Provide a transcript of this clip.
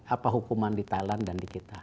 apa hukuman di thailand dan di kita